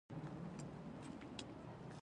کوم تاوان چې ګټه نه لري هغه تاوان دی.